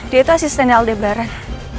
dia itu asisten aldebaran